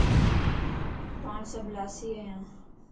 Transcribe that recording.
پاڻ سڀ لاسي ايان